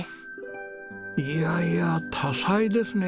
いやいや多才ですね